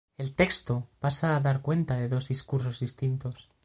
El texto pasa a dar cuenta de dos discursos distintos.